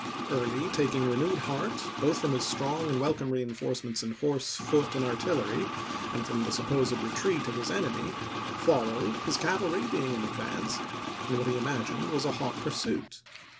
Early, taking renewed heart both from his strong and welcome reinforcements in horse, foot, and artil "aEmonof lery, and from the supposed retreat of his enemy, Yea? of the followed, his cavalry being in advance, in what he P. io5. imagined was a hot pursuit.